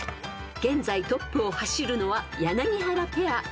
［現在トップを走るのは柳原ペア］